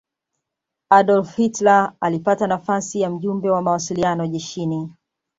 adolf hitler alipata nafasi ya mjumbe wa mawasiliano jeshini